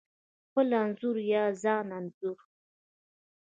خپل انځور یا ځان انځور: